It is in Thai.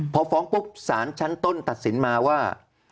พอฟ้องปุ๊บสารชั้นต้นตัดสินมาว่า